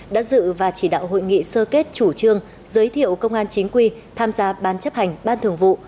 đã dự và chỉ đạo hội nghị sơ kết chủ trương giới thiệu công an chính quy tham gia ban chấp hành ban thường vụ